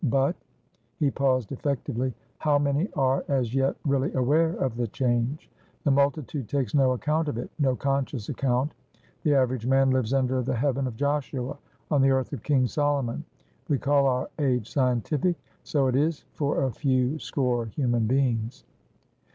But" he paused, effectively,"how many are as yet really aware of the change? The multitude takes no account of it, no conscious account; the average man lives under the heaven of Joshua, on the earth of King Solomon. We call our age scientific. So it isfor a few score human beings."